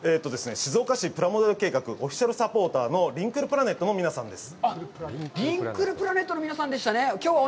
静岡市プラモデル計画オフィシャルサポーターのＬＩＮＫＬＰＬＡＮＥＴの皆さんです。